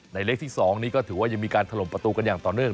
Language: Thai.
เลขที่๒นี้ก็ถือว่ายังมีการถล่มประตูกันอย่างต่อเนื่อง